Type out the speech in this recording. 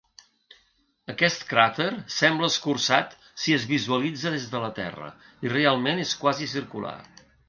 Aquest cràter sembla escurçat si es visualitza des de la Terra i realment és quasi circular.